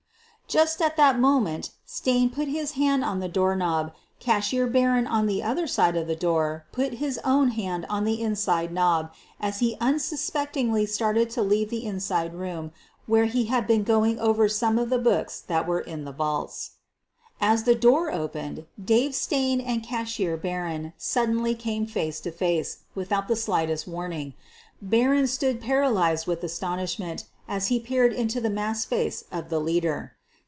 Just at the moment that Stain put his hand on QUEEN OF THE BURGLARS 235 the doorknob Cashier Barron on the other side of the door put his own hand on the inside knob as he un suspectingly started to leave the inside room, where he had been going over some of the books that were in the vaults. AS THE DOOR OPENED STAIN AND BARRON CAME FACE TO FACE As the door opened Dave Stain and Cashier Bar ron suddenly came face to face without the slightest warning. Barron stood paralyzed with astonish ment as he peered into the masked face of the leader.